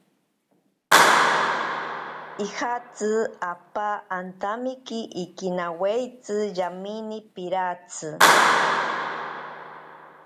Ijatsi apa antamiki ikinawaitsi yamine piratsi.